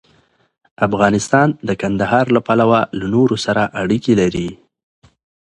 افغانستان د کندهار له پلوه له نورو سره اړیکې لري.